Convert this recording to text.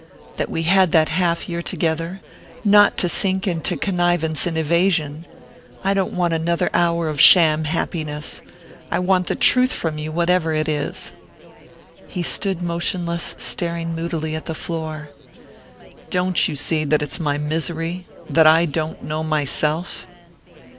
that we had that half year together...not to sink into connivance and evasion! I don't want another hour of sham happiness. I want the truth from you, whatever it is." He stood motionless, staring moodily at the floor. "Don't you see that's my misery that I don't know myself?"